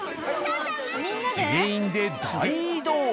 全員で大移動。